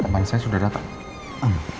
teman saya sudah datang